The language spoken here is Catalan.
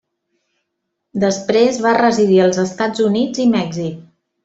Després va residir als Estats Units i Mèxic.